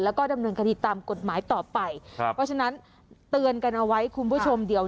แล้วก็ดำเนินคดีตามกฎหมายต่อไปครับเพราะฉะนั้นเตือนกันเอาไว้คุณผู้ชมเดี๋ยว